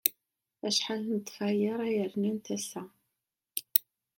Acḥal n tefyar ay rnant ass-a?